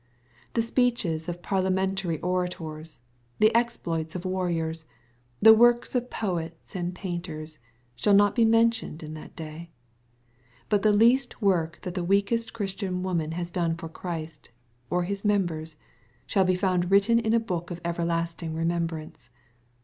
/The MATTHEW, CHAP. XXVI. 349 speeches of parliamentary orators^ the exploits of warri ors, the works of poets and painters, shall not be mentioned in that day.y feut the least work that the weakest Christian woman has done for Christ, or His members, shall be found written in a book of everlasting remembrance.